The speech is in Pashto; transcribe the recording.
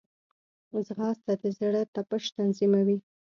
ځغاسته د زړه تپش تنظیموي